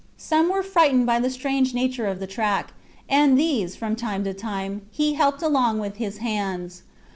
Some were frightened by the strange nature of the track, and these, from time to time, he helped along with his hands.